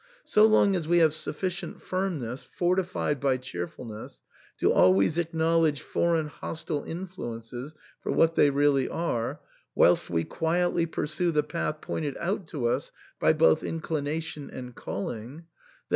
So long as we have sufficient firmness, fortified by cheerfulness, to always acknowledge foreign hostile influences for what they really are, whilst we quietly pursue the path pointed out to us by both inclination and calling, then x83 THE SAND'MAN.